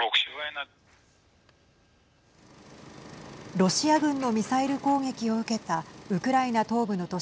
ロシア軍のミサイル攻撃を受けたウクライナ東部の都市